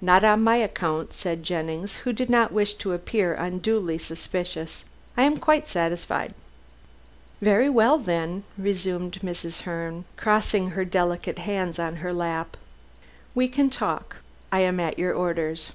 "Not on my account," said Jennings, who did not wish to appear unduly suspicious. "I am quite satisfied." "Very well, then," replied Mrs. Herne, resuming her seat and crossing her delicate hands on her lap. "We can talk. I am at your orders."